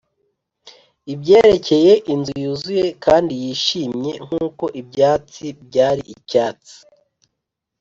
ibyerekeye inzu yuzuye kandi yishimye nkuko ibyatsi byari icyatsi,